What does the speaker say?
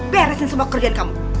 beresin semua kerjaan kamu